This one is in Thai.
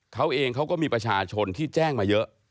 เขาเองเขาก็มีประชาชนที่แจ้งมาเยอะ